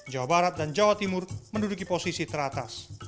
jawa barat dan jawa timur menduduki posisi teratas